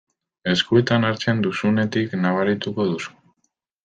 Eskuetan hartzen duzunetik nabarituko duzu.